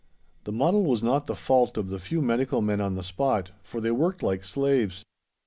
The muddle was not the fault of the few medical men on the spot, for they worked like slaves.